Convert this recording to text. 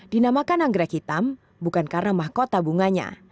dinamakan anggrek hitam bukan karena mahkota bunganya